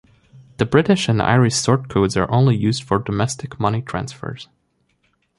The British and Irish sort codes are only used for domestic money transfers.